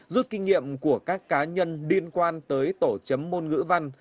rút kinh nghiệm của các cá nhân liên quan tới tổ chấm môn ngữ văn